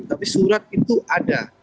tapi surat itu ada